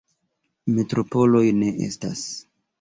Metropoloj ne estas.